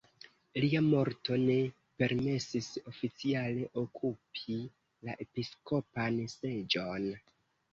Lia morto ne permesis oficiale okupi la episkopan seĝon.